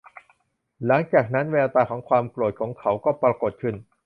หลัจากนั้น แววตาของความโกรธของเขาก็ปรากฎขึ้น